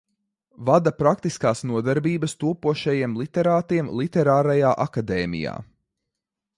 "Vada praktiskās nodarbības topošajiem literātiem "Literārajā Akadēmijā"."